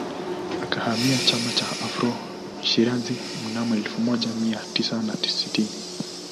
Akahamia Chama cha Afro Shirazi mnamo elfu moja mia tisa na sitini